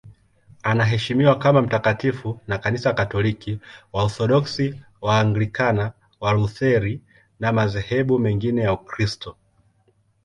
Anaheshimiwa kama mtakatifu na Kanisa Katoliki, Waorthodoksi, Waanglikana, Walutheri na madhehebu mengine ya Ukristo.